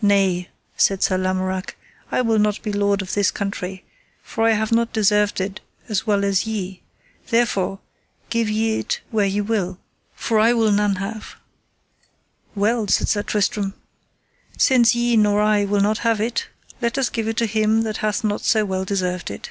Nay, said Sir Lamorak, I will not be lord of this country, for I have not deserved it as well as ye, therefore give ye it where ye will, for I will none have. Well, said Sir Tristram, since ye nor I will not have it, let us give it to him that hath not so well deserved it.